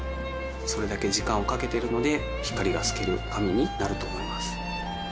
それだけ時間をかけてるので光が透ける紙になると思います